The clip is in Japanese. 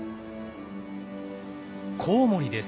コウモリです。